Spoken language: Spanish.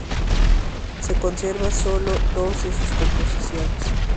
Se conservan sólo dos de sus composiciones.